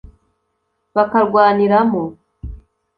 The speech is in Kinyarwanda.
bakarwaniramo